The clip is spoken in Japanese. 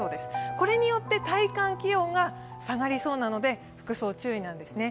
これによって体感気温が下がりそうなので、服装、注意なんですね。